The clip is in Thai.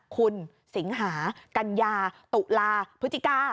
คุณสิงหากัญญาตุลาพฤศจิกา